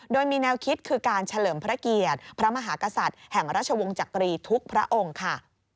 โดยมีแนวคิดคือการเฉลิมพระเกียรติพระมหากษัตริย์แห่งราชวงศ์จักรีทุกพระองค์ค่ะ